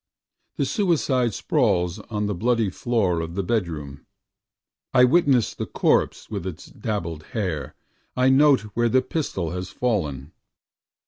The suicide sprawls on the bloody floor of the bedroom, I witness the corpse with its dabbled hair, I note where the pistol has fallen.